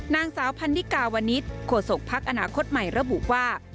นางสาวพันนิกาวนิษฐ์โฆษกภักดิ์อนาคตใหม่ระบุว่า